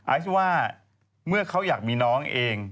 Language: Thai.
ไอซ์ว่าเมื่อเขาอยากมีน้องเอง